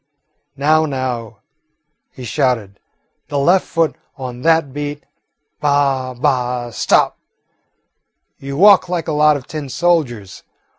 "Now, now," he would shout, "the left foot on that beat. Bah, bah, stop! You walk like a lot of tin soldiers.